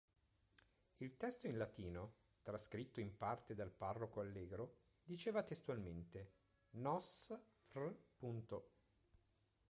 Il testo in latino, trascritto in parte dal Parroco Allegro, diceva testualmente: “……"Nos Fr.